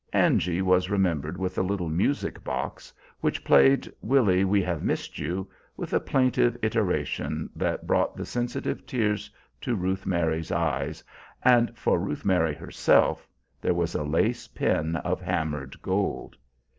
Angy was remembered with a little music box, which played "Willie, we have missed you" with a plaintive iteration that brought the sensitive tears to Ruth Mary's eyes; and for Ruth Mary herself there was a lace pin of hammered gold.